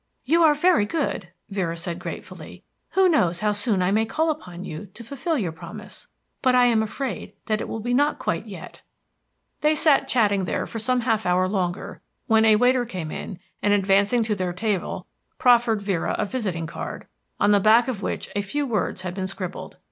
"You are very good," Vera said gratefully. "Who knows how soon I may call upon you to fulfil your promise? But I am afraid that it will not be quite yet." They sat chatting there for some half an hour longer, when a waiter came in, and advancing to their table proffered Vera a visiting card, on the back of which a few words had been scribbled.